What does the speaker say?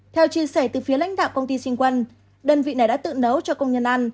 theo chia sẻ từ phía lãnh đạo công ty sinh quân đơn vị này đã tự nấu cho công nhân ăn